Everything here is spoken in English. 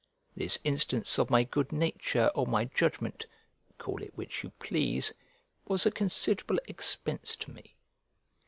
This instance of my good nature or my judgment (call it which you please) was a considerable expense to me.